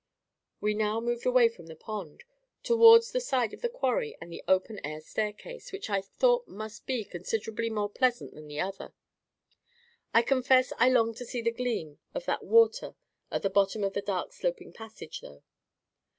We now moved away from the pond, towards the side of the quarry and the open air stair case, which I thought must be considerably more pleasant than the other. I confess I longed to see the gleam of that water at the bottom of the dark sloping passage, though.